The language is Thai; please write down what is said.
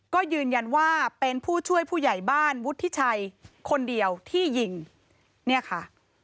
ก็ยืนยันว่าเป็นผู้ช่วยผู้ใหญ่บ้านวุฒิชัยคนเดียวที่ยิงเนี่ยค่ะ